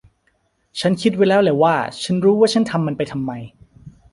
ฉันคิดไว้แล้วแหละว่า ฉันรู้ว่าฉันทำมันไปทำไม